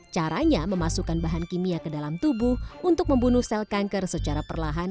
caranya memasukkan bahan kimia ke dalam tubuh untuk membunuh sel kanker secara perlahan